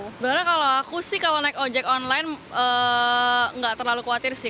sebenarnya kalau aku sih kalau naik ojek online nggak terlalu khawatir sih